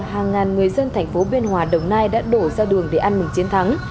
hàng ngàn người dân thành phố biên hòa đồng nai đã đổ ra đường để ăn mừng chiến thắng